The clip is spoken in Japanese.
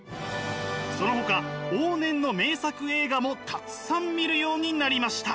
そのほか往年の名作映画もたくさん見るようになりました。